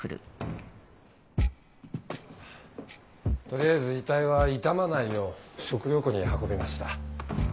取りあえず遺体は傷まないよう食糧庫に運びました。